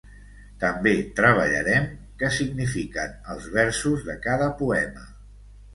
També treballarem què signifiquen els versos de cada poema.